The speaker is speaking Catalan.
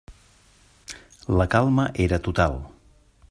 La calma era total.